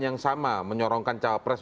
yang sama menyorongkan cawapres